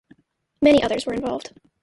Many others were involved.